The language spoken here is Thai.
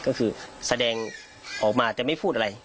ก็คือแสดงออกมาแต่ไม่พูดอะไร